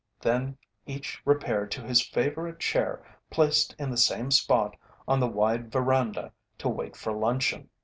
Then each repaired to his favourite chair placed in the same spot on the wide veranda to wait for luncheon.